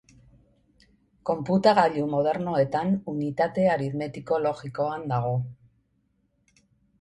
Konputagailu modernoetan Unitate aritmetiko-logikoan dago.